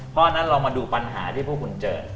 เพราะฉะนั้นเรามาดูปัญหาที่พวกคุณเจอ